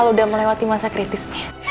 lu udah melewati masa kritisnya